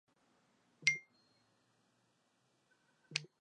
La troncal se retoma en la costa norte de la isla Santa Cruz.